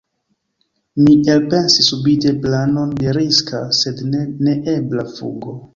Mi elpensis subite planon de riska, sed ne neebla fugo.